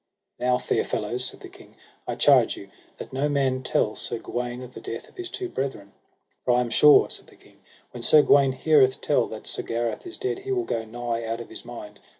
Now fair fellows, said the king, I charge you that no man tell Sir Gawaine of the death of his two brethren; for I am sure, said the king, when Sir Gawaine heareth tell that Sir Gareth is dead he will go nigh out of his mind.